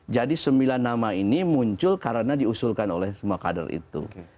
jadi sembilan nama ini muncul karena diusulkan oleh semua kader itu